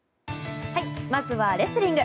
まずはレスリング。